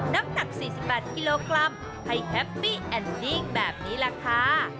น้ำหนัก๔๘กิโลกรัมให้แฮปปี้แอนดิ้งแบบนี้แหละค่ะ